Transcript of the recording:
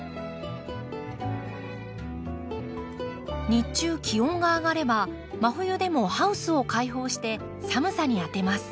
日中気温が上がれば真冬でもハウスを開放して寒さに当てます。